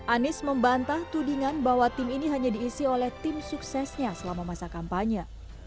anies membantah tudingan bahwa tim ini hanya diisi oleh tim suksesnya selama masa kampanye